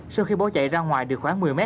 sau khi bỏ chạy ra ngoài được khoảng một mươi m